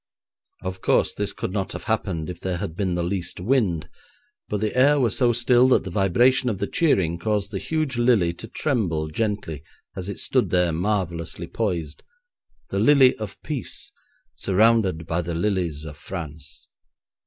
Of course, this could not have happened if there had been the least wind, but the air was so still that the vibration of the cheering caused the huge lily to tremble gently as it stood there marvellously poised; the lily of peace, surrounded by the lilies of France!